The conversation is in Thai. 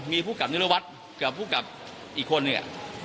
มีผู้กับนิรวัตรกับผู้กลับอีกคนหนึ่ง